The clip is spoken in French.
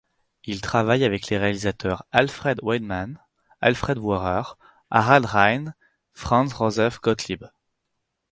Il travaille avec les réalisateurs Alfred Weidenmann, Alfred Vohrer, Harald Reinl, Franz Josef Gottlieb.